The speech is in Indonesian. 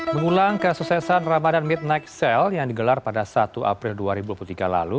mengulang kesuksesan ramadan midnight sale yang digelar pada satu april dua ribu dua puluh tiga lalu